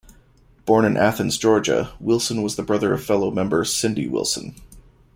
Born in Athens, Georgia, Wilson was the brother of fellow member Cindy Wilson.